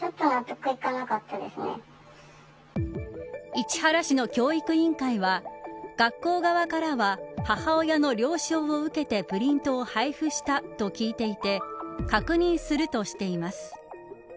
市原市の教育委員会は学校側からは母親の了承を受けてプリントを配布したと聞いていて確認するとしています。